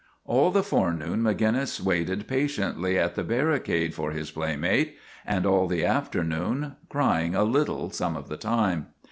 All the forenoon Maginnis waited pa tiently at the barricade for his playmate, and all the afternoon, crying a little some of the time.